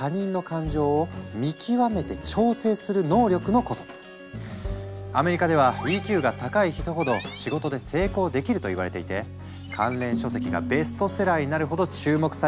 このＥＱ簡単に言うとアメリカではＥＱが高い人ほど仕事で成功できるといわれていて関連書籍がベストセラーになるほど注目されていたんだ。